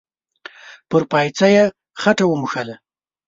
پر پايڅه يې خټه و موښله.